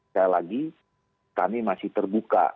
sekali lagi kami masih terbuka